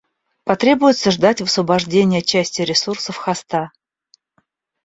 Потребуется ждать высвобождения части ресурсов хоста